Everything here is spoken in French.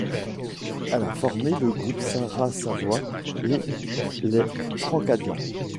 Elle a formé le groupe Sarah Savoy et les Francadians.